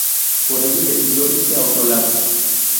Por ello decidió irse a otro lado.